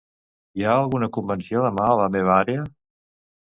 Hi ha alguna convenció demà a la meva àrea?